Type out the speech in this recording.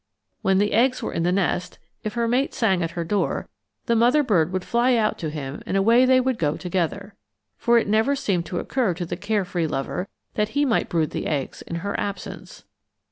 When the eggs were in the nest, if her mate sang at her door, the mother bird would fly out to him and away they would go together; for it never seemed to occur to the care free lover that he might brood the eggs in her absence.